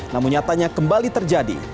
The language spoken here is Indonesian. namun nyatanya kembali terjadi